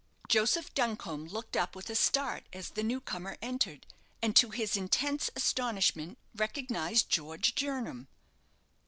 Joseph Duncombe looked up with a start as the new comer entered, and, to his intense astonishment, recognized George Jernam.